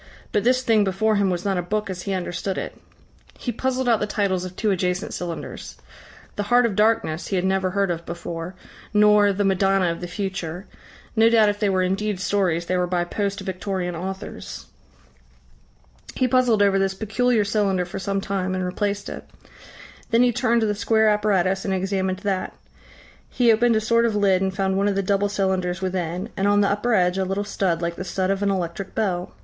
But this thing before him was not a book as he understood it. He puzzled out the titles of two adjacent cylinders. "The Heart of Darkness" he had never heard of before nor "The Madonna of the Future" no doubt if they were indeed stories, they were by post Victorian authors. He puzzled over this peculiar cylinder for some time and replaced it. Then he turned to the square apparatus and examined that. He opened a sort of lid and found one of the double cylinders within, and on the upper edge a little stud like the stud of an electric bell.